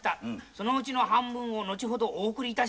「そのうちの半分を後ほどお送りいたします」だって。